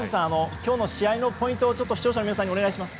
今日の試合のポイントを視聴者の皆さんにお願いします。